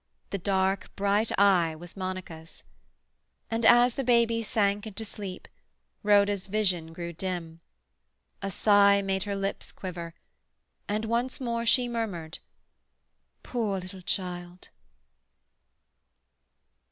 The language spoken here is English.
The dark, bright eye was Monica's. And as the baby sank into sleep, Rhoda's vision grew dim; a sigh made her lips quiver, and once more she murmured, "Poor little child!"